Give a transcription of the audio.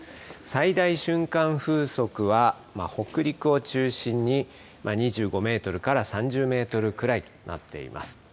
最大瞬間風速は北陸を中心に２５メートルから３０メートルくらいとなっています。